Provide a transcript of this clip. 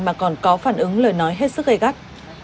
mà còn có phản ứng lời nói hết sức gây gắt